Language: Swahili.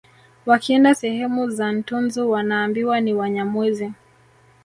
Wakienda sehemu za Ntunzu wanaambiwa ni Wanyamwezi